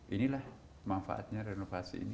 inilah manfaatnya renovasi ini